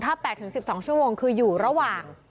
ถ้า๘๑๒ชั่วโมงคืออยู่ระหว่าง